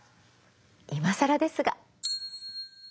いまさらですが。